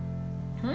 うん！